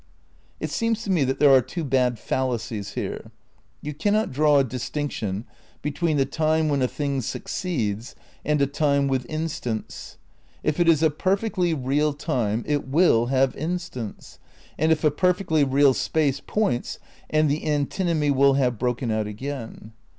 It seems to me that there are two bad fallacies here. Tou cannot draw a distinction between the time when a thing succeeds and a time with instants. If it is a "perfectly real time" it ^mll have instants, and if a perfectly real space points, and the antinomy will have broken out again.